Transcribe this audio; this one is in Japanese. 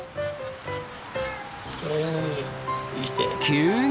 急に。